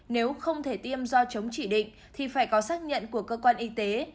nếu không thể tiêm do chống chỉ định thì phải có xác nhận của cơ quan y tế